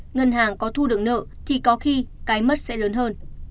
ngân hàng có thu được nợ thì có khi cái mất sẽ lớn hơn